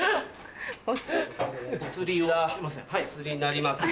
お釣りがお釣りになりますね。